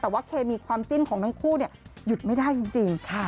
แต่ว่าเคมีความจิ้นของทั้งคู่หยุดไม่ได้จริง